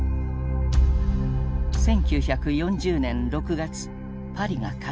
１９４０年６月パリが陥落。